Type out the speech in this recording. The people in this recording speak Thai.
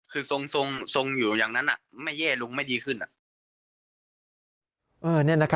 คือทรงอยู่อย่างนั้นไม่แย่ลุงไม่ดีขึ้น